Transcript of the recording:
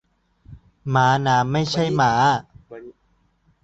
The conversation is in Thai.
ม้าน้ำ ไม่ใช่ม้า